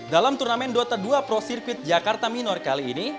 dalam turnamen dota dua pro circuit jakarta minor kali ini